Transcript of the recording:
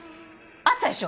あったでしょ